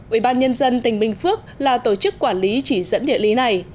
ubnd tỉnh bình phước là tổ chức quản lý chỉ dẫn địa lý này